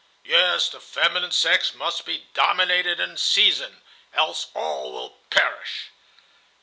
"Yes, the feminine sex must be dominated in season, else all will perish."